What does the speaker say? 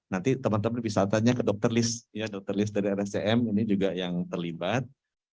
nanti teman teman bisa tanya ke dokter list dari rsjm ini juga yang terlibat